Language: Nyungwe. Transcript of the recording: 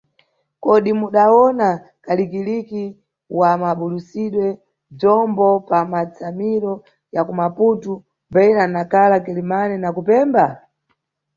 Kodi mudawona kaliki-liki wa mabulusidwe bzombo pa matsamiro ya ku Maputo, Beira, Nacla, Quelimane na ku Pemba?